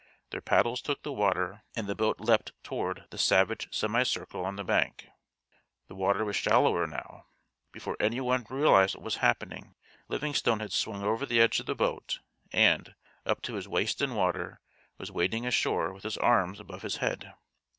Their paddles took the water and the boat leapt toward the savage semi circle on the bank. The water was shallower now. Before any one realised what was happening Livingstone had swung over the edge of the boat and, up to his waist in water, was wading ashore with his arms above his head.